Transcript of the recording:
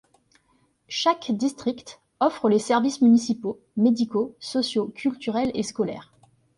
Chaque district offre les services municipaux médicaux, sociaux, culturels et scolaires.